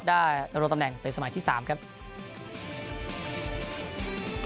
ได้ระโดษตำแหน่งไปสมัยที่๓ครับ